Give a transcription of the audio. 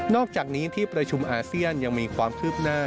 อกจากนี้ที่ประชุมอาเซียนยังมีความคืบหน้า